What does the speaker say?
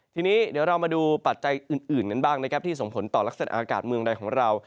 ทีนี้เดี๋ยวเรามาดูปัจจัยอื่นกันบ้างนะครับที่ส่งผลต่อลักษณะอากาศเมืองใดของเรา